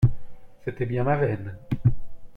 C’était bien ma veine!